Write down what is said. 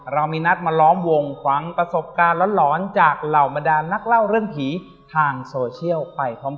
เรามีนัดมาล้อมวงฝังประสบการณ์หลอนจากเหล่าบรรดานนักเล่าเรื่องผีทางโซเชียลไปพร้อม